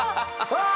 わあ！